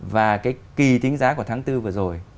và cái kỳ tính giá của tháng bốn vừa rồi